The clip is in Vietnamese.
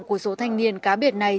của số thanh niên cá biệt này